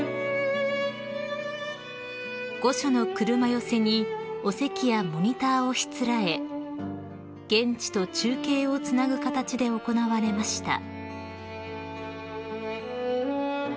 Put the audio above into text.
［御所の車寄せにお席やモニターをしつらえ現地と中継をつなぐ形で行われました］